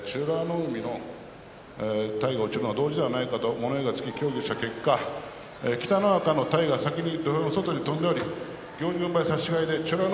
海の体が落ちるのが同時ではないかと物言いがつき協議した結果北の若の体が先に土俵の外に飛んでおり行司軍配差し違えで美ノ